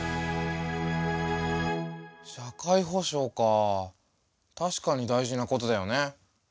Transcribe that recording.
社会保障か確かに大事なことだよね。